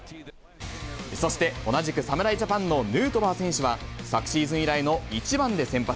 そして、同じく侍ジャパンのヌートバー選手は、昨シーズン以来の１番で先発。